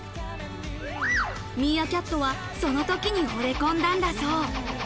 ミーアキャットはその時に惚れ込んだんだそう。